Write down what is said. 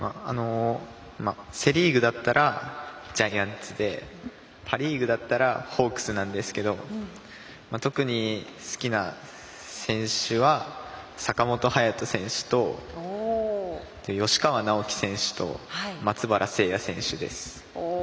セ・リーグだったらジャイアンツでパ・リーグだったらホークスなんですけど特に好きな選手は坂本勇人選手と吉川尚輝選手と松原聖弥選手です。